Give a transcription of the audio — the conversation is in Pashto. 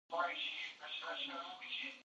طبیعي زیرمې د افغانستان د سیاسي جغرافیه برخه ده.